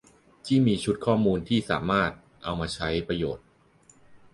ที่มีชุดข้อมูลที่สามารถเอามาใช้ประโยชน์